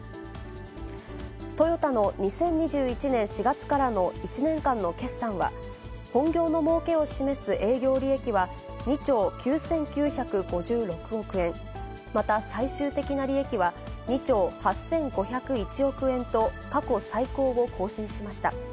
トヨタの２０２１年４月からの１年間の決算は、本業のもうけを示す営業利益は２兆９９５６億円、また最終的な利益は２兆８５０１億円と、過去最高を更新しました。